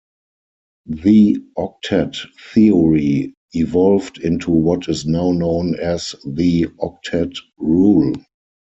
The "octet theory" evolved into what is now known as the "octet rule".